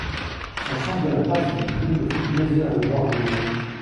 Son sens de la passe et du dribble font plaisir à le voir jouer.